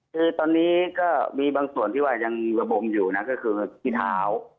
คือตอนนี้ก็มีบางส่วนที่ว่ายังระบมอยู่นะก็คือกินเท้า